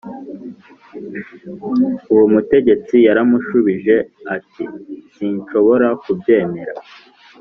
Uwo mutegetsi yaramushubije ati sinshobora kubyemera